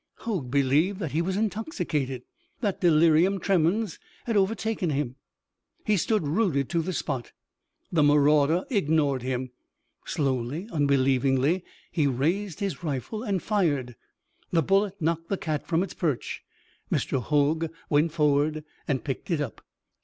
Hoag believed that he was intoxicated, that delirium tremens had overtaken him. He stood rooted to the spot. The marauder ignored him. Slowly, unbelievingly, he raised his rifle and fired. The bullet knocked the cat from its perch. Mr. Hoag went forward and picked it up.